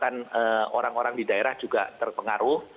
namanya pendapatan orang orang di daerah juga terpengaruh